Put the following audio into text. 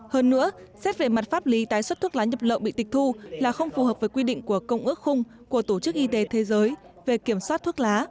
hơn nữa xét về mặt pháp lý tái xuất thuốc lá nhập lậu bị tịch thu là không phù hợp với quy định của công ước khung của tổ chức y tế thế giới về kiểm soát thuốc lá